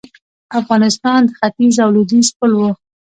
افغانستان د ختیځ او لویدیځ پل و